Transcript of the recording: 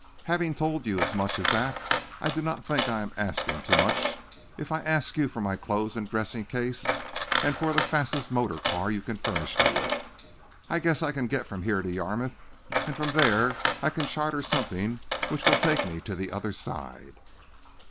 Having told you as much as that, I do not think I am asking too much if I ask you for my clothes and dressing case, and for the fastest motor car you can furnish me with. I guess I can get from here to Yarmouth, and from there I can charter something which will take me to the other side."